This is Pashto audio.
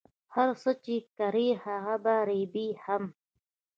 هر څه چی کری هغه به ریبی هم